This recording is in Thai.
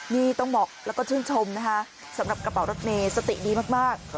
นี่ต้องบอกแล้วก็ชื่นชมนะคะสำหรับกระเป๋ารถเมย์สติดีมาก